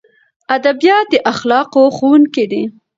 ادبیات د اخلاقو ښوونکي دي.